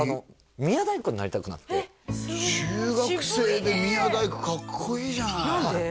宮大工になりたくなって中学生で宮大工かっこいいじゃない何で？